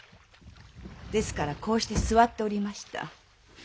ですからこうして座っておりました。